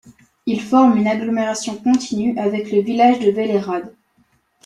Il forme une agglomération continue avec le village de Velehrad.